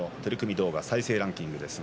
動画再生ランキング